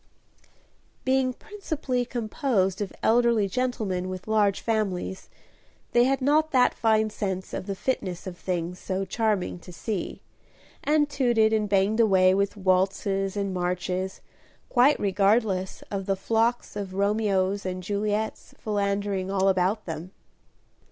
Being principally composed of elderly gentlemen with large families, they had not that fine sense of the fitness of things so charming to see, and tooted and banged away with waltzes and marches, quite regardless of the flocks of Romeos and Juliets philandering all about them.